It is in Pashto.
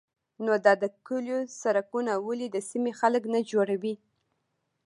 _نو دا د کليو سړکونه ولې د سيمې خلک نه جوړوي؟